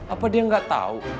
apa dia gak tau